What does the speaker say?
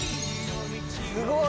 すごい。